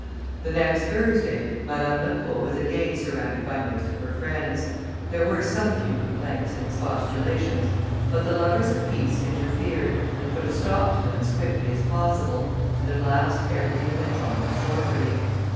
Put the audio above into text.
The next Thursday, Madame Lacour was again surrounded by most of her friends. There were some few complaints and expostulations, but the lovers of peace interfered, and put a stop to them as quickly as possible, and at last everything went on as formerly.